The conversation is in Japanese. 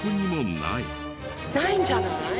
ないんじゃない？